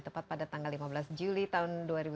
tepat pada tanggal lima belas juli tahun